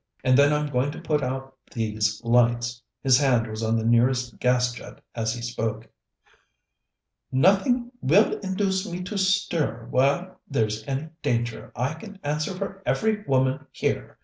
And then I'm going to put out these lights." His hand was on the nearest gas jet as he spoke. "Nothing will induce me to stir while there's any danger. I can answer for every woman here!"